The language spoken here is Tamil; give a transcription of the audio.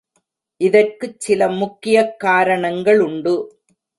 இதற்குச் சில முக்கியக் காரணங்களுண்டு.